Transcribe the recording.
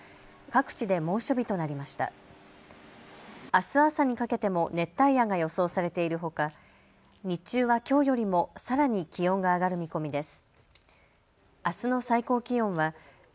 あす朝にかけても熱帯夜が予想されているほか日中はきょうよりもさらに気温が上がる見込みです。